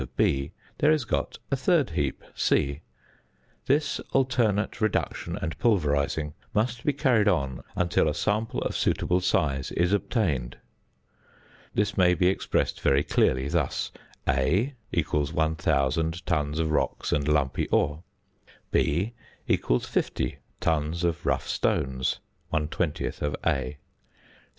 of B, there is got a third heap, C. This alternate reduction and pulverising must be carried on until a sample of suitable size is obtained. This may be expressed very clearly thus: A = 1000 tons of rocks and lumpy ore. B = 50 "" rough stones, 1/20th of A.